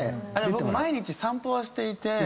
僕毎日散歩はしていて。